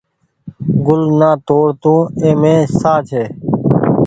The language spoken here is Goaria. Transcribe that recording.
گل نآ توڙ تو اي مين ساه ڇي۔